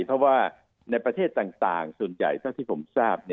เพราะว่าในประเทศต่างส่วนใหญ่เท่าที่ผมทราบ